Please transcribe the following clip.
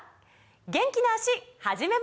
元気な脚始めましょう！